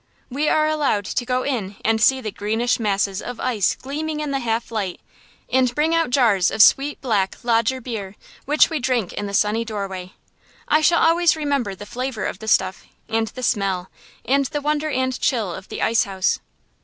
We are allowed to go in and see the greenish masses of ice gleaming in the half light, and bring out jars of sweet, black "lager beer," which we drink in the sunny doorway. I shall always remember the flavor of the stuff, and the smell, and the wonder and chill of the ice house.